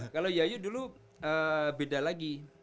kalau yayu dulu beda lagi